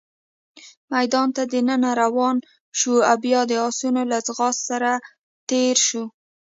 میدان ته دننه روان شوو، او بیا د اسونو له ځغاست لیکې تېر شوو.